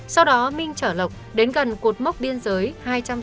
sau đó minh chở lộc đến gần cột mốc biên giới hai trăm sáu mươi tám km